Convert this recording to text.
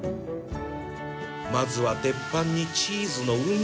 まずは鉄板にチーズの海を作り